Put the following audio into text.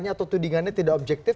yang meragam dayanya tidak objektif